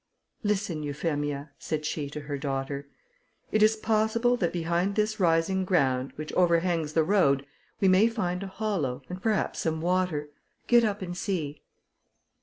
"Listen, Euphemia," said she to her daughter; "it is possible that behind this rising ground, which overhangs the road, we may find a hollow, and perhaps some water. Get up and see."